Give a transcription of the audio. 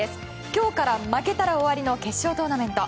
今日から負けたら終わりの決勝トーナメント。